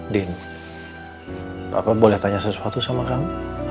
din bapak boleh tanya sesuatu sama kami